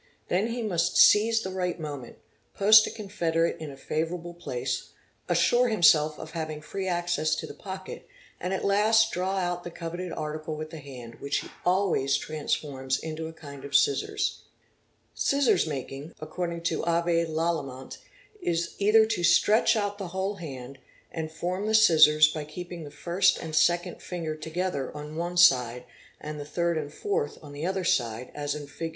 Then he must seize the right moment, post a confederate in a favourable place, assure him self of having free access to the pocket, and at last draw out the coveted ~ article with the hand, which he always transforms into a kind of scissors. '"' Scissors making'' according to Avé Lallemant is either to stretch out the whole hand and form the scissors by keeping the first and second se ARTA EE GTO ye ees Pe wet woe te ee | finger together on one side and the third and fourth on the other side 'as in Fig.